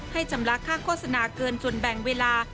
ชำระค่าโฆษณาเกินจนแบ่งเวลา